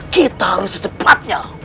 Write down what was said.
kita harus secepatnya